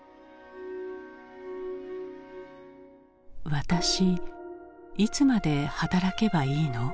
「私いつまで働けばいいの？」。